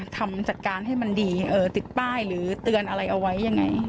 ติดป้ายหรือเตือนอะไรเอาไว้ยังไง